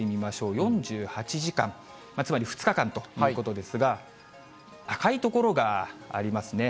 ４８時間、つまり２日間ということですが、赤い所がありますね。